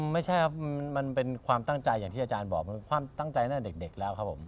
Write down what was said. ไม่ใช่ครับมันเป็นความตั้งใจอย่างที่อาจารย์บอกมันเป็นความตั้งใจตั้งแต่เด็กแล้วครับผม